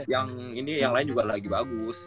yang ini yang lain juga lagi bagus